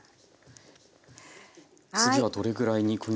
次はどれぐらい煮込みますか？